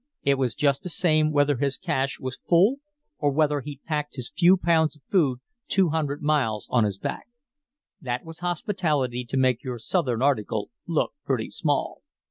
It was just the same whether his cache was full or whether he'd packed his few pounds of food two hundred miles on his back. That was hospitality to make your Southern article look pretty small.